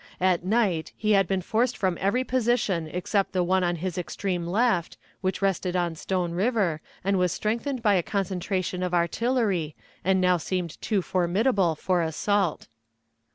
At night he had been forced from every position except the one on his extreme left, which rested on Stone River, and was strengthened by a concentration of artillery, and now seemed too formidable for assault.